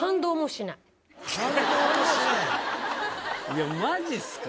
いやマジっすか？